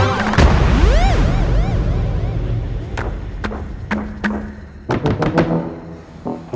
nanti gue bakal nunggu